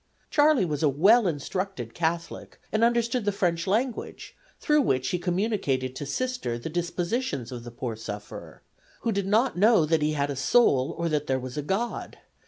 Charley was a well instructed Catholic, and understood the French language, through which he communicated to Sister the dispositions of the poor sufferer, who did not know that he had a soul, or that there was a God.